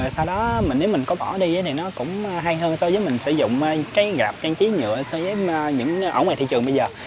sau đó nếu mình có bỏ đi thì nó cũng hay hơn so với mình sử dụng cái gạp trang trí nhựa so với những ở ngoài thị trường bây giờ